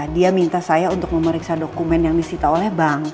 dia minta saya untuk memeriksa dokumen yang disita oleh bank